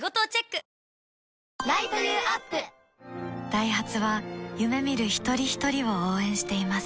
ダイハツは夢見る一人ひとりを応援しています